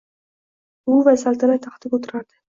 U va saltanat taxtiga o’tiradi.